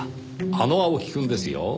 あの青木くんですよ？